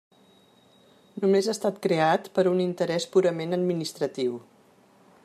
Només ha estat creat per un interès purament administratiu.